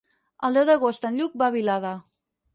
El deu d'agost en Lluc va a Vilada.